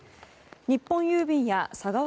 日本郵便や佐川